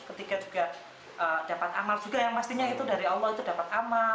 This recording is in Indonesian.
ketiga juga dapat amal juga yang pastinya itu dari allah itu dapat amal